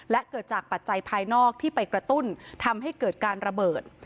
และเกิดจากปัจจัยภายนอกที่ไปกระตุ้นทำให้เกิดการระเบิด